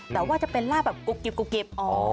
แต่ว่าจะเป็นลาบแบบกรุบกิบ